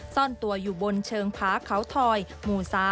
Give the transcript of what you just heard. ซ่อนตัวอยู่บนเชิงผาเขาทอยหมู่๓